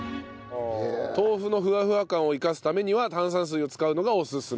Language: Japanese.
豆腐のふわふわ感を生かすためには炭酸水を使うのがおすすめですと。